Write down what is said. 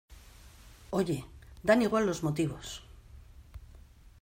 oye, dan igual los motivos